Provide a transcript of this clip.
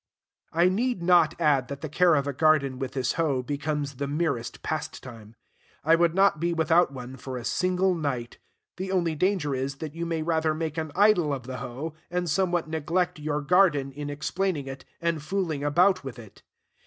I need not add that the care of a garden with this hoe becomes the merest pastime. I would not be without one for a single night. The only danger is, that you may rather make an idol of the hoe, and somewhat neglect your garden in explaining it, and fooling about with it.